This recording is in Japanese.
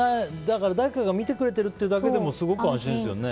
誰かが見てくれているだけですごく安心ですよね。